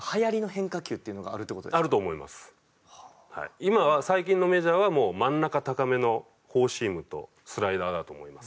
今は最近のメジャーはもう真ん中高めのフォーシームとスライダーだと思います。